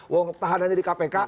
wong tahanannya di kpk